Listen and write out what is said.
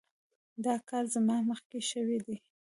دا کار زما مخکې شوی دی.